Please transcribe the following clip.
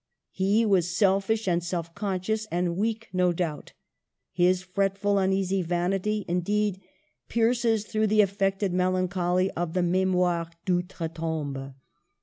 He was selfish and self conscious and weak no doubt — his fretful uneasy vanity, indeed, pierces through the affected mel ancholy of the Mtmoires d Outre Tombe.